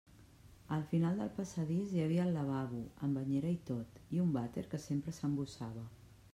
Al final del passadís hi havia el lavabo, amb banyera i tot, i un vàter que sempre s'embossava.